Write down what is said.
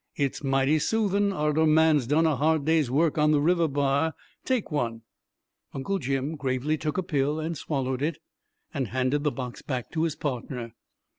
It's mighty soothin' arter a man's done a hard day's work on the river bar. Take one." Uncle Jim gravely took a pill and swallowed it, and handed the box back to his partner.